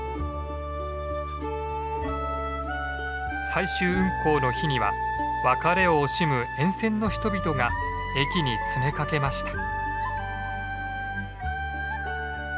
最終運行の日には別れを惜しむ沿線の人々が駅に詰めかけました。